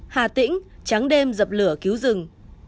hà tĩnh trắng đêm dập lửa cứu rừng